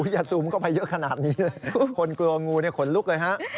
อย่าซูมเข้าไปเยอะขนาดนี้เลยคนกลัวงูเนี่ยขนลุกเลยฮะ